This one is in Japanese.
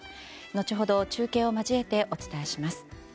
後ほど、中継を交えてお伝えします。